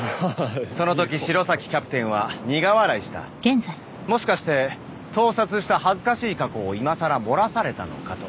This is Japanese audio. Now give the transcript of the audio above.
リリ子そのとき城崎キャプテンは苦笑いしたもしかして盗撮した恥ずかしい過去を今さら漏らされたのかと